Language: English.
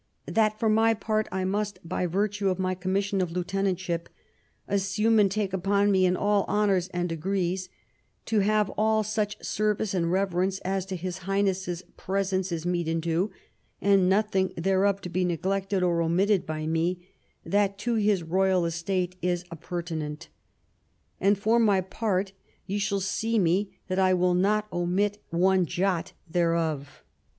That for my part I must, by virtue of my commission of lieutenantship, assume and take upon me, in all honours and degrees, to have all such service and reverence as to his highness's presence is meet and due, and nothing thereof to be neglected or Omitted by me that to his royal estate is appurtenant. And for my part, ye shall see me that I will not omit one jot thereof.''